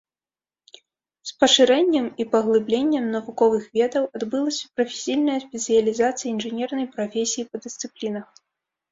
З пашырэннем і паглыбленнем навуковых ведаў адбылася прафесійная спецыялізацыя інжынернай прафесіі па дысцыплінах.